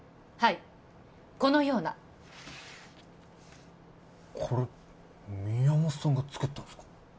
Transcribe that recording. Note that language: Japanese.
はいこのようなこれ宮本さんが作ったんすか？